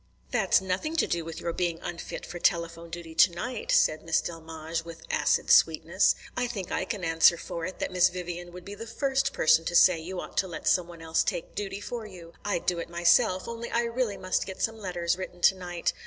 "That's nothing to do with your being unfit for telephone duty tonight," said Miss Delmege, with acid sweetness. "I think I can answer for it that Miss Vivian would be the first person to say you ought to let some one else take duty for you. I'd do it myself, only I really must get some letters written tonight.